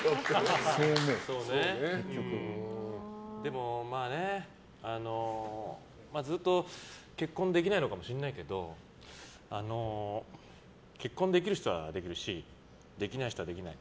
でも、ずっと結婚できないのかもしんないけど結婚できる人はできるしできない人はできない。